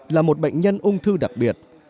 là một bệnh nhân ung thư đặc biệt